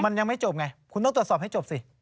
มันยังไม่จบไงคุณต้องตรวจสอบให้จบสิ